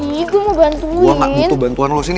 gue nggak butuh bantuan lo disini